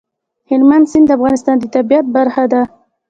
هلمند سیند د افغانستان د طبیعت برخه ده.